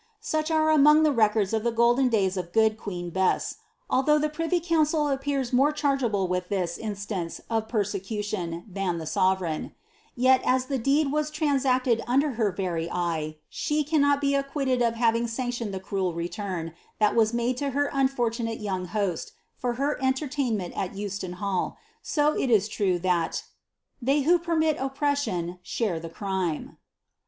Such are among he records of the golden days of good queen Bess, alttiough the privy MNincil appears more chargeable with this instance of persecution than he sovereign ; yet, as the deed was transacted under her very eye, she annot be acquitted of having sanctioned the cruel return that was made to her unfortunate young host for her entertainment at Euston Hall, so true it is, that^ ^ they who permit oppression share the crime."